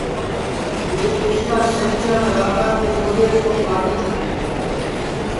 ایک ٻیریا کھلتیاٹؔے راجا کے گوڈؔیپ چوٹ لاگی گی تی